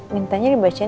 minta dia dibacain